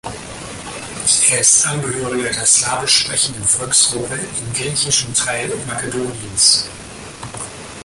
Er ist Angehöriger der slawisch sprechenden Volksgruppe in griechischen Teil Makedoniens.